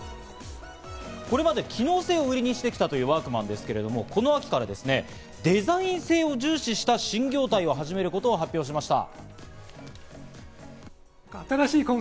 これまで機能性を売りにしてきたというワークマンなんですけど、この秋からデザイン性を重視した新業態を始めることを発表しました。